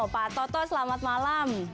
pak toto selamat malam